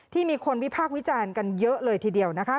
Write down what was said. มีคนวิพากษ์วิจารณ์กันเยอะเลยทีเดียวนะคะ